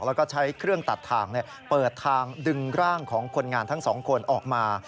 แล้วก็ใช้เครื่องตัดทางเปิดทางดึงร่างของคนงานทั้งสองคนออกมา